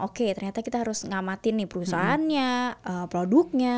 oke ternyata kita harus ngamatin nih perusahaannya produknya